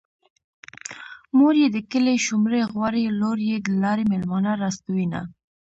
مور يې د کلي شومړې غواړي لور يې د لارې مېلمانه راستنوينه